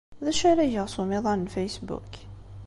D acu ara geɣ s umiḍan n Facebook?